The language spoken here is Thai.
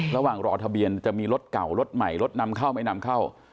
ระหว่างรอทะเบียนจะมีรถเก่ารถใหม่รถนำเข้าไม่นำเข้า